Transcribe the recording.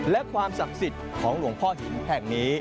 และความศักดิ์สิทธิ์ของหลวงพ่อหินแห่งนี้